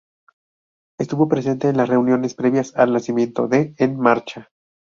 Estuvo presente en las reuniones previas al nacimiento de En Marcha!